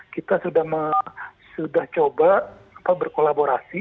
kita sudah coba berkolaborasi